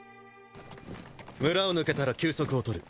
村を抜けたら休息を取る。